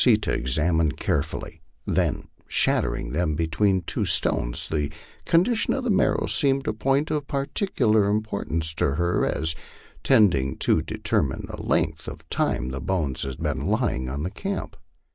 Bee tah examined carefully; then, shattering them between two stones, the condition of the marrow seemed a point of particular importance to her as tending to determine the length of time the bones had been lying on the camp.